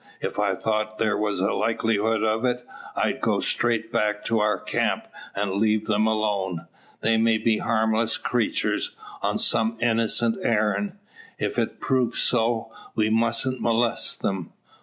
If I thought there was a likelihood of it, I'd go straight back to our camp, and leave them alone. They may be harmless creatures, on some innocent errand. If it prove so, we musn't molest them."